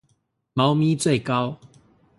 貓咪最高